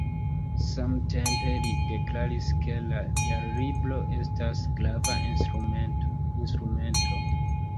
Samtempe li deklaris, ke la Jarlibro estas grava instrumento.